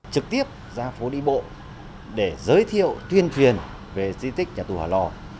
trực tiếp ra phố đi bộ để giới thiệu tuyên truyền về di tích nhà tù hòa lò